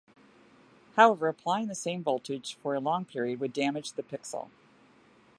However, applying the same voltage for a long period would damage the pixel.